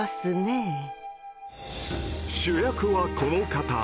主役はこの方。